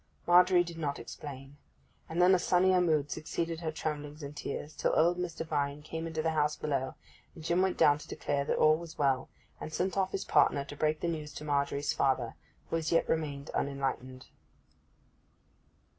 Margery did not explain. And then a sunnier mood succeeded her tremblings and tears, till old Mr. Vine came into the house below, and Jim went down to declare that all was well, and sent off his partner to break the news to Margery's father, who as yet remained unenlightened.